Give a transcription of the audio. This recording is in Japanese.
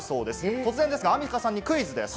突然ですが、アンミカさんにクイズです！